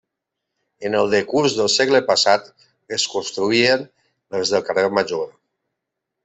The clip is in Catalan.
En el decurs del segle passat es construïren les del carrer Major.